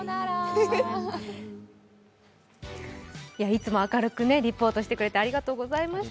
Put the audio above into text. いつも明るくリポートしてくれてありがとうございました。